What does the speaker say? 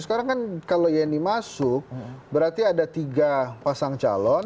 sekarang kan kalau yeni masuk berarti ada tiga pasang calon